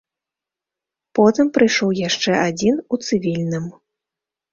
Потым прыйшоў яшчэ адзін у цывільным.